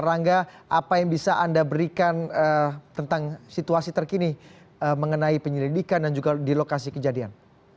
rangga apa yang bisa anda berikan tentang situasi terkini mengenai penyelidikan dan juga di lokasi kejadian